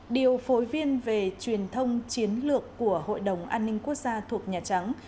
điều phối viên về truyền thông chiến lược của hội đồng an ninh quốc gia thuộc nhà trắng